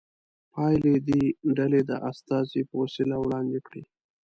پایلې دې ډلې د استازي په وسیله وړاندې کړي.